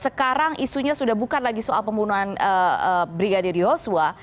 sekarang isunya sudah bukan lagi soal pembunuhan brigadir yosua